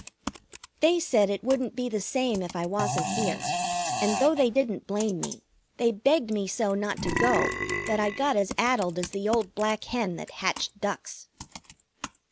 They said it wouldn't be the same if I wasn't here, and though they didn't blame me, they begged me so not to go that I got as addled as the old black hen that hatched ducks.